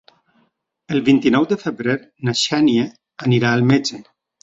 El vint-i-nou de febrer na Xènia anirà al metge.